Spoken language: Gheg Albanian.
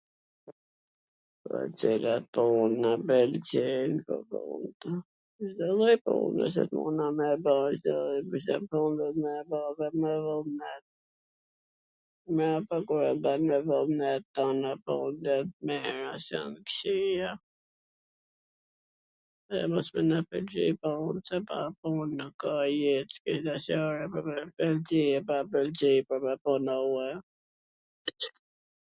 Po cila pun na pwlqen.... Cdo lloj pune, se puna me e ba wshtw ... duhet dhe vullnet... kur e bwn me vullnet tana punwt jan t mira, s jan t kqija ... se pa pun nuk ka jet...